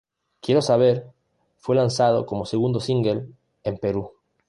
Quiero saber fue lanzado como segundo single en Perú.